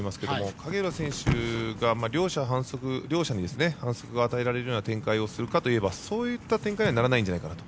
影浦選手が両者に反則が与えられるような展開にするかといえばそういった展開にはならないんじゃないかなと。